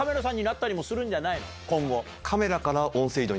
なったりもするんじゃないの？